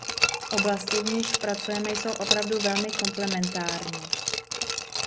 Oblasti, v nichž pracujeme, jsou opravdu velmi komplementární.